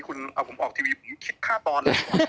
คุณเอาผมออกทีวีผมคิดค่าตอนเลย